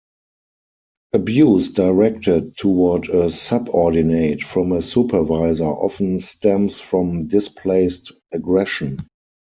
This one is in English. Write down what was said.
Abuse directed toward a subordinate from a supervisor often stems from displaced aggression.